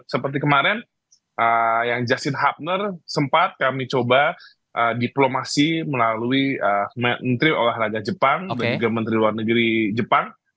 seperti kemarin yang justin hubner sempat kami coba diplomasi melalui menteri olahraga jepang dan juga menteri luar negeri jepang